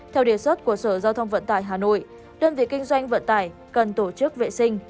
theo đề xuất của sở giao thông vận tải hà nội đơn vị kinh doanh vận tải cần tổ chức vệ sinh